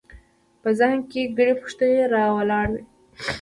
په ذهن کې ګڼې پوښتنې راولاړوي.